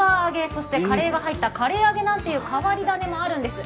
そしてカレーが入ったカレー揚げなんていう代わり揚げもあるんです。